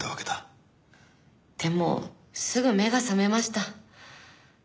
でもすぐ目が覚めました。